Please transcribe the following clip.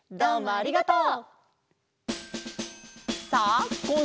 ありがとう！